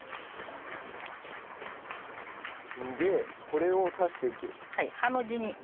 でこれを刺していく。